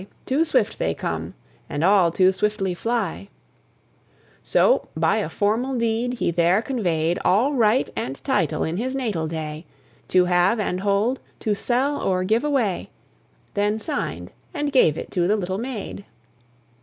Too swift they come, and all too swiftly fly" So by a formal deed he there conveyed All right and title in his natal day, To have and hold, to sell or give away, Then signed, and gave it to the little maid.